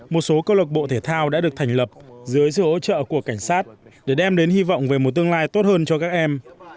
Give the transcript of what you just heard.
một số câu lạc bộ thể thao đã được thành lập dưới sự hỗ trợ của cảnh sát để đem đến hy vọng về một tương lai tốt hơn cho các em